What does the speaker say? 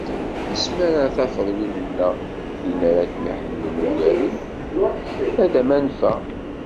asmi ara tafeḍ win neɣ tin ara kem-iḥemmlen ugar-iw ad am-anfeɣ.